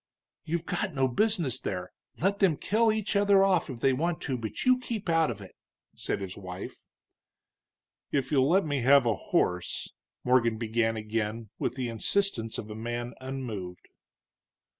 "You've got no business there let them kill each other off if they want to, but you keep out of it!" said his wife. "If you'll let me have a horse " Morgan began again, with the insistence of a man unmoved.